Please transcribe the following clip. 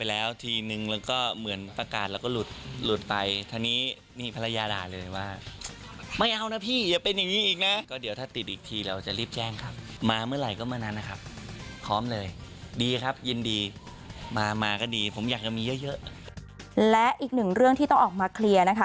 และอีกหนึ่งเรื่องที่ต้องออกมาเคลียร์นะคะ